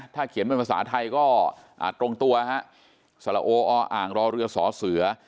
ถ้าเขียนเป็นภาษาไทยก็ตรงตัวฮะสละโอออ่างรอเรือสอเสือ